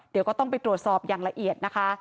เดี๋ยวก็ต้องไปตรวจสอบอย่างละเอียดนะคะ